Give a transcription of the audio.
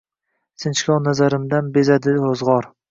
Sinchkov nazarimdan bezadi ro‘zg‘or.